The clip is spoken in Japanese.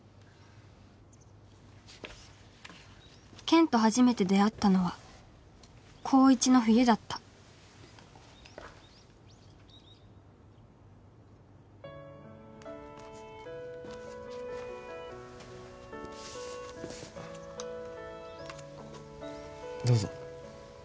健と初めて出会ったのは高１の冬だったどうぞ